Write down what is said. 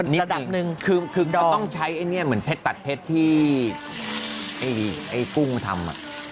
ระดับหนึ่งคือเราต้องใช้ไอ้เนี่ยเหมือนเพชรตัดเพชรที่ไอ้กุ้งทำ